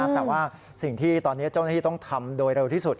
แต่ว่าสิ่งที่ตอนนี้เจ้าหน้าที่ต้องทำโดยเร็วที่สุด